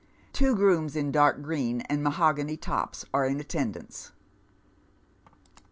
Two grooms in dark green, and mahogany tops, are in attendance.